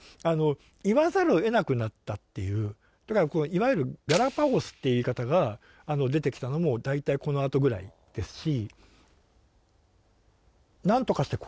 いわゆるガラパゴスっていう言い方が出てきたのも大体このあとぐらいですし。